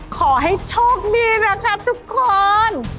ขอให้โชคดีนะครับทุกคน